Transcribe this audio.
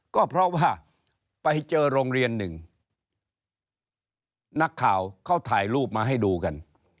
ก็เพราะว่าไปเจอโรงเรียนหนึ่งนักข่าวเขาถ่ายรูปมาให้ดูกัน